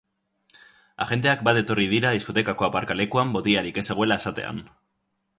Agenteak bat etorri dira diskotekako aparkalekuan botilarik ez zegoela esatean.